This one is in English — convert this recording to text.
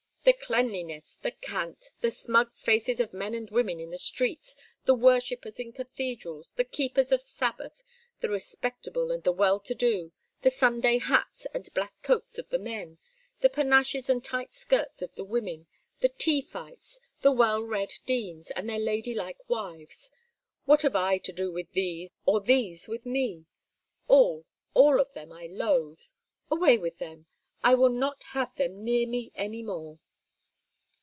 The cleanliness, the cant, the smug faces of men and women in the street, the worshippers in cathedrals, the keepers of Sabbaths, the respectable and the well to do, the Sunday hats and black coats of the men, the panaches and tight skirts of the women, the tea fights, the well read deans and their lady like wives what have I to do with these or these with me? All, all of them I loathe; away with them, I will not have them near me any more.